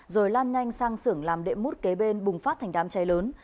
rồi lan nhanh sang sưởng làm đệm mút kế bên bùng phát thành đám cháy lớn